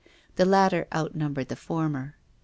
The latter outnumbered the former.